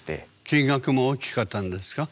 金額も大きかったんですか？